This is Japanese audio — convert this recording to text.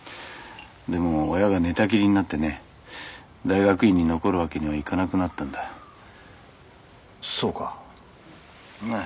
でも親が寝たきりになってね大学院に残るわけにはいかなくなったんだそうかまあ